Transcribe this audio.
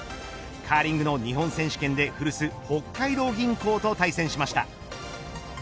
カーリングの日本選手権で古巣北海道銀行と対戦しました。